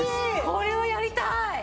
これはやりたい！